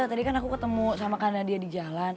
tadi kan aku ketemu sama karena dia di jalan